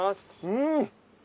うん！